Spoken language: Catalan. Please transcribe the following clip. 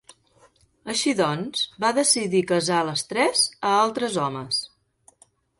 Així doncs, va decidir casar les tres a altres homes.